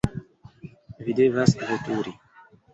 Vi devas veturi!